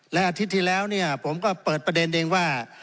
และอาทิตย์ที่แล้วเนี่ยผมก็เปิดประเด็นเองว่า